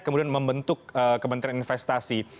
kemudian membentuk kementerian investasi